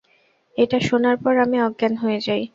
এটা শোনার পর আমি অজ্ঞান হয়ে যাই।